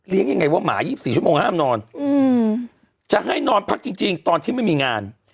ยังไงว่าหมา๒๔ชั่วโมงห้ามนอนจะให้นอนพักจริงตอนที่ไม่มีงาน